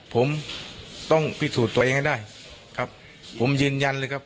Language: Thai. ผมต้องพิสูจน์ตัวเองให้ได้ครับผมยืนยันเลยครับ